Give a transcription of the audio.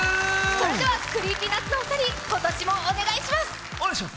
それでは、ＣｒｅｅｐｙＮｕｔｓのお二人、今年もお願いします。